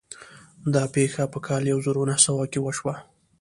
دا پېښه په کال يو زر و نهه سوه کې وشوه.